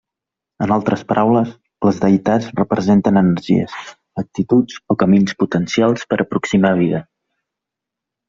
En altres paraules, les deïtats representen energies, actituds o camins potencials per aproximar vida.